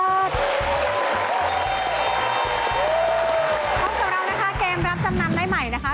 พบกับเรานะคะเกมรับจำนำได้ใหม่นะคะ